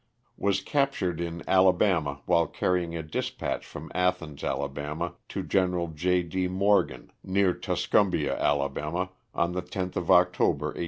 Was captured in Ala bama while carrying a dispatch from Athens, Ala., to Gen. J. D. Morgan, near Tuscumbia, Ala., on the 10th of October, 1864.